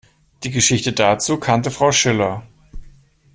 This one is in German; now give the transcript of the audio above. Die Geschichte dazu kannte Frau Schiller.